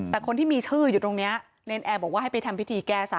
แต่คนที่มีชื่ออยู่ตรงนี้เนรนแอร์บอกว่าให้ไปทำพิธีแก้ซะ